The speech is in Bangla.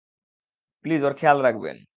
প্লিজ ওর খেয়াল রাখবেন।